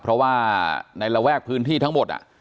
เพราะว่าในระแวกพื้นที่ทั้งหมด